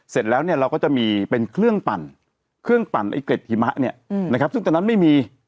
เสร็จแล้วเนี่ยเราก็จะมีเป็นเครื่องปั่นเครื่องปั่นไอ้เกร็ดหิมะเนี่ยนะครับซึ่งตอนนั้นไม่มี